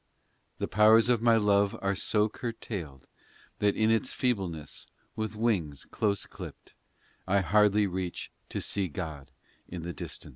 The powers of my love are so curtailed That in its feebleness, With wings close clipped I hardly reach to see God in the distance.